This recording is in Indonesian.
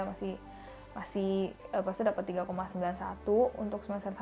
masih dapat tiga sembilan puluh satu untuk semester satu